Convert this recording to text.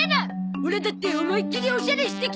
オラだって思いっきりオシャレしてきたゾ！